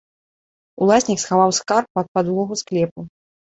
Уласнік схаваў скарб пад падлогу склепу.